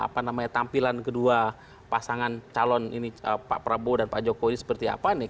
apa namanya tampilan kedua pasangan calon ini pak prabowo dan pak jokowi seperti apa nih